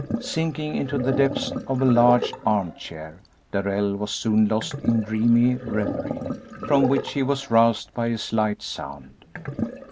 Sinking into the depths of a large arm chair, Darrell was soon lost in dreamy reverie, from which he was roused by a slight sound.